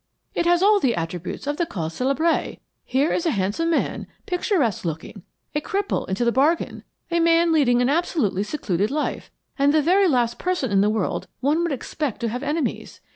It has all the attributes of the cause celebre. Here is a handsome man, picturesque looking, a cripple into the bargain, a man leading an absolutely secluded life, and the very last person in the world one would expect to have enemies.